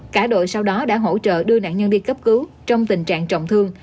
cả đội sau đó đã hỗ trợ đưa nạn nhân đi cấp cứu trong tình trạng trọng thương